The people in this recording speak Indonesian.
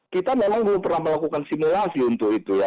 kita memang belum pernah melakukan simulasi untuk itu ya